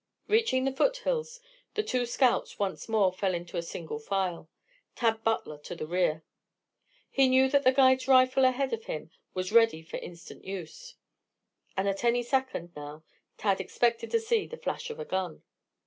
Reaching the foothills, the two scouts once more fell into single file, Tad Butler to the rear. He knew that the guide's rifle ahead of him was ready for instant use, and at any second now Tad expected to see the flash of a gun.